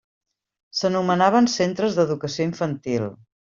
S'anomenaven centres d'Educació Infantil.